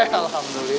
eh alhamdulillah ibu